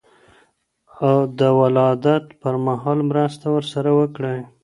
د ولادت پر مهال مرسته ورسره وکړئ.